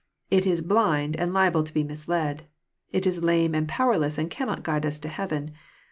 It is blind, and liable to be misled. It is lame and powerless, and cannot guide us to heaven.